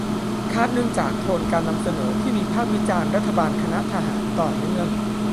คาดเนื่องจากโทนการนำเสนอที่วิพากษ์วิจารณ์รัฐบาลคณะทหารต่อเนื่อง